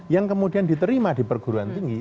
yang kemudian diterima di perguruan tinggi